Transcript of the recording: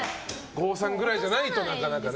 郷さんぐらいじゃないとなかなかね。